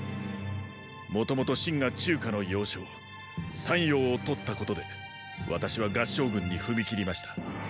もともと秦が中華の要所“山陽”を取ったことで私は合従軍に踏み切りました。